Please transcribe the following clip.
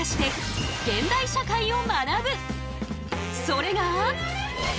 それが。